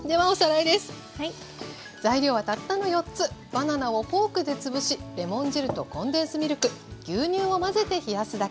バナナをフォークで潰しレモン汁とコンデンスミルク牛乳を混ぜて冷やすだけ。